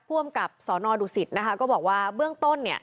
ร่วมกับสรดุศิษฐ์บอกว่าเบื้องต้น